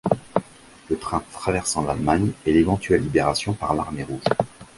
Le train traversant l'Allemagne, et l'éventuelle libération par l'Armée rouge.